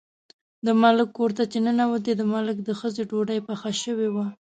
د ملک کور ته چې ننوتې، د ملک د ښځې ډوډۍ پخه شوې وه.